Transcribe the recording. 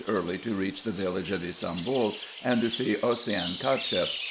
81 early to reach the village of Ybsambul, and to see Osseyn Cacheff.